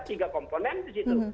tiga komponen di situ